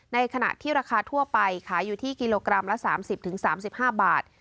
ในขณะที่ราคาทั่วไปขายอยู่ที่กิโลกรัมละ๓๐๓๕บาท